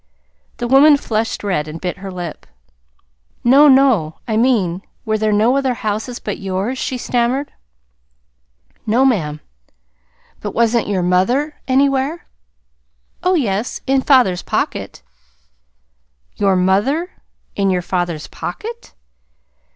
The woman flushed red and bit her lip. "No, no, I mean were there no other houses but yours?" she stammered. "No, ma'am." "But, wasn't your mother anywhere?" "Oh, yes, in father's pocket." "Your MOTHER in your father's POCKET!"